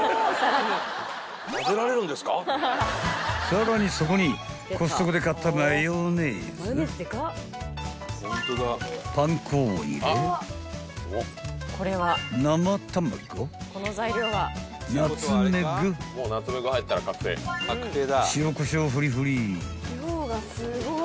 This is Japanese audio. ［さらにそこにコストコで買ったマヨネーズパン粉を入れ生卵ナツメグ塩こしょうを振り振り］